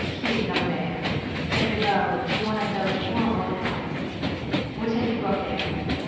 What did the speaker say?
"Hé! la mère!" said Bibot to one of these horrible hags, "what have you got there?"